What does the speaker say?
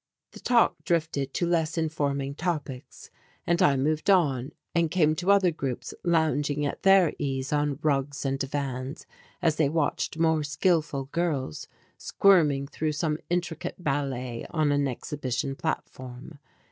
The talk drifted to less informing topics and I moved on and came to other groups lounging at their ease on rugs and divans as they watched more skilful girls squirming through some intricate ballet on an exhibition platform.